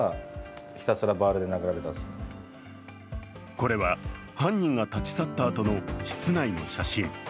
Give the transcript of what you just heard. これは犯人が立ち去ったあとの室内の写真。